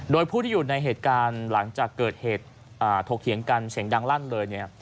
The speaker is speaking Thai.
โดยผู้ที่อยู่ในเหตุการณ์หลังจากเกิดเหตุถกเถียงกันเสียงดังลั่นเลยเนี่ย